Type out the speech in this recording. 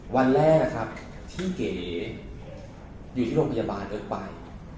วันแรกครับที่เก๋อยู่ที่โรงพยาบาลเอิ๊กไป